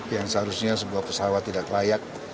yang seharusnya sebuah pesawat tidak layak